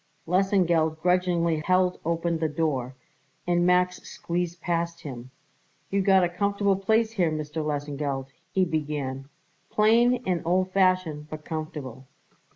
Lesengeld grudgingly held open the door, and Max squeezed past him. "You got a comfortable place here, Mr. Lesengeld," he began, "plain and old fashioned, but comfortable."